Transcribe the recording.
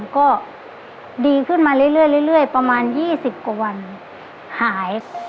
ก็ดีขึ้นมาเรื่อยประมาณ๒๐กว่าวันหาย